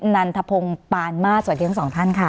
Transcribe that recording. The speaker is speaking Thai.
นันทะพงบ์ปานมาร์ตสวัสดีทั้ง๒ท่านค่ะ